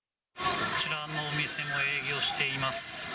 こちらのお店も営業しています。